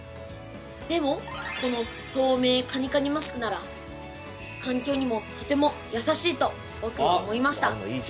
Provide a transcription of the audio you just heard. でもこの透明カニカニマスクなら環境にもとても優しいと僕は思いました。